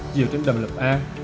chiều trên đầm lập an